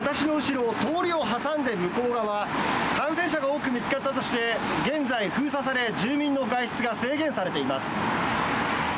私の後ろ、通りを挟んで向こう側、感染者が多く見つかったとして現在、封鎖され住民の外出が制限されています。